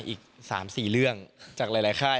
อีก๓๔เรื่องจากหลายค่าย